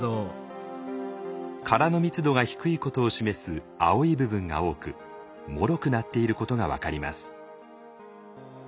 殻の密度が低いことを示す青い部分が多くもろくなっていることが分かります。